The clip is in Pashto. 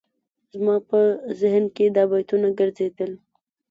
زما په ذهن کې دا بیتونه ګرځېدل.